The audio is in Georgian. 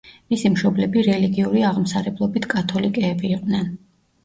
მისი მშობლები რელიგიური აღმსარებლობით კათოლიკეები იყვნენ.